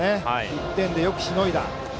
１点でよくしのいだ。